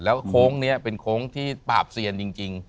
แล้วโค้งนี้เป็นโค้งที่ปราบเซียนจริง